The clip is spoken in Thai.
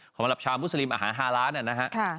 สำหรับชาวมุสลิมอาหาร๕ล้านนะฮะ